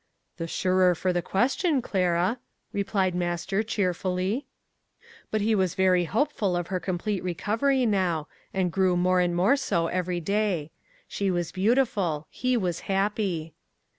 'The surer for the question, Clara!' replied master, cheerfully. But, he was very hopeful of her complete recovery now, and grew more and more so every day. She was beautiful. He was happy.